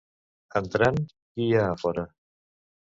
Entretant, qui hi ha fora?